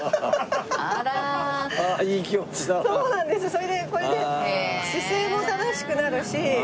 それでこれで姿勢も正しくなるし。